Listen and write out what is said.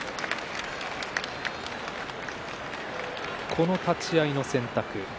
この立ち合いの選択。